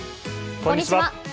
こんにちは。